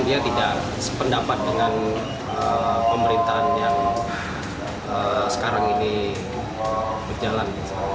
dia tidak sependapat dengan pemerintahan yang sekarang ini berjalan